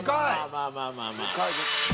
まあまあまあまあ。